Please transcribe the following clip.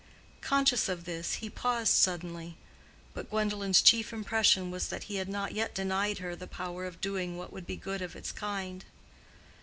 Conscious of this, he paused suddenly. But Gwendolen's chief impression was that he had not yet denied her the power of doing what would be good of its kind.